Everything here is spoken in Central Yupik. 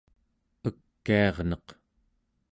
ekiarneq